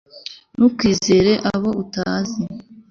ntukizere abo utazi